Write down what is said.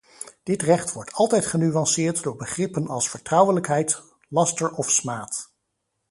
Dit recht wordt altijd genuanceerd door begrippen als vertrouwelijkheid, laster of smaad.